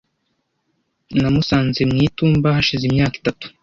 Namusanze mu itumba hashize imyaka itatu.